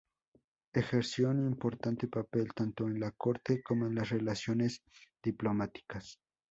Ejerció un importante papel, tanto en la corte como en las relaciones diplomáticas.